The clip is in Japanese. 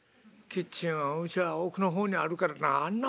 キッチンはうちは奥の方にあるからあんな